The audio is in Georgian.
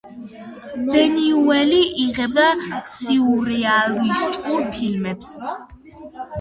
ბუნიუელი იღებდა სიურრეალისტურ ფილმებს.